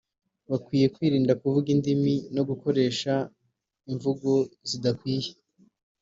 bakwiye kwirinda kuvanga indimi no gukoresha imvugo zidakwiye